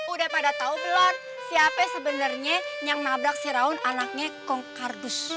udah pada tahu belum siapa sebenarnya yang nabrak siraun anaknya kong kardus